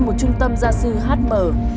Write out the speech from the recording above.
một trung tâm gia sư hm